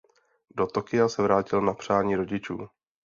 Do Tokia se vrátil na přání rodičů.